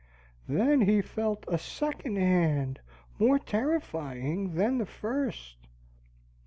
"Then he felt a second hand more terrifying than the first."